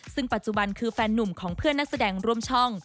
ซึ่งปัจจุบันคือแฟนนุ่มของเพื่อนนักแสดงร่วมช่อง